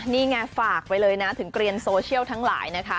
นี่ไงฝากไปเลยนะถึงเกรียนโซเชียลทั้งหลายนะคะ